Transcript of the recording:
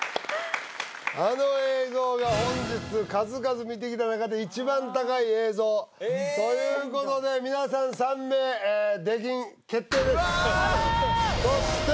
あの映像が本日数々見てきた中で一番高い映像ということで皆さん３名出禁決定ですうわあら